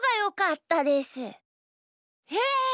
へえ！